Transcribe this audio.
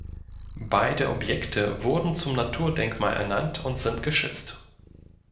Beide Objekte wurden zum Naturdenkmal ernannt und sind geschützt.